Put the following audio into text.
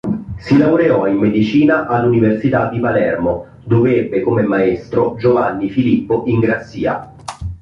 Si laureò in medicina all'Università di Palermo dove ebbe come maestro Giovanni Filippo Ingrassia.